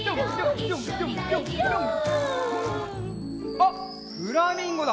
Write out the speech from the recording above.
あっフラミンゴだ！